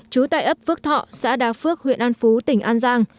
chú tài ấp phước thọ xã đà phước huyện an phú tỉnh an giang